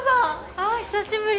ああ久しぶり